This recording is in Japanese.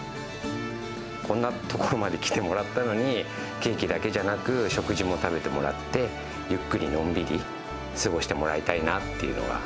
こんな所まで来てもらったのに、ケーキだけじゃなく、食事も食べてもらって、ゆっくり、のんびり過ごしてもらいたいなっていうのが。